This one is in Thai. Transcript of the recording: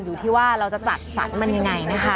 อยู่ที่ว่าเราจะจัดสรรมันยังไงนะคะ